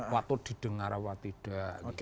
waktu didengar apa tidak